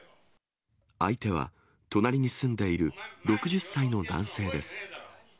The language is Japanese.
相手は、隣に住んでいる６０歳の男性です。